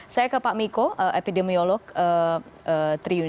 saya ke pak miko epidemiolog triun